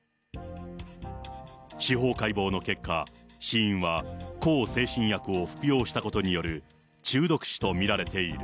司法解剖の結果、死因は、向精神薬を服用したことによる中毒死と見られている。